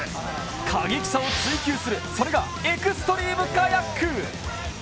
過激さを追求する、それがエクストリームカヤック。